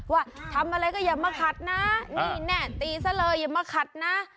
ว่าทำอะไรก็อย่ามาขัดนะนี่แน่ตีซะเลยอย่ามาขัดนะ